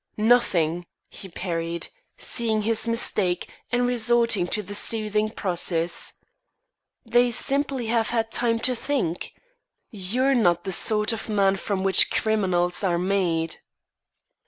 "Nothing," he parried, seeing his mistake, and resorting to the soothing process. "They simply have had time to think. You're not the sort of man from which criminals are made."